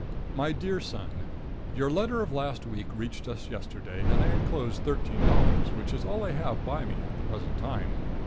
My dear son. Your letter of last week reached us yesterday, and I enclose $13, which is all I have by me at the present time.